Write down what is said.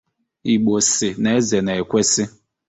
Igbo sị na eze na-ekwesi